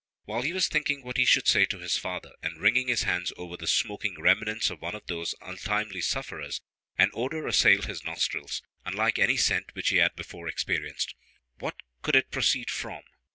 While he was thinking what he should say to his father, and wringing his hands over the smoking remnants of one of those untimely sufferers, an odor assailed his nostrils, unlike any scent which he had before experienced. What could it proceed from?